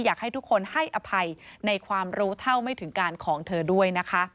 อยากให้ทุกคนให้อภัยในความรู้เท่าไม่ถึงการของเธอด้วยนะคะ